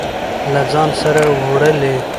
له ځان سره وړلې.